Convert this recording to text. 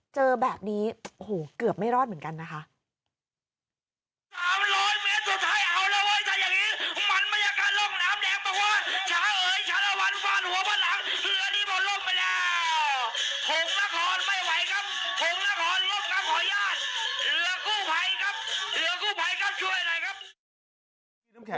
เจอแบบนี้โอ้โหเกือบไม่รอดเหมือนกันนะคะ